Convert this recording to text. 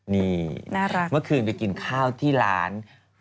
นี่เมื่อคืนไปกินข้าวที่ร้าน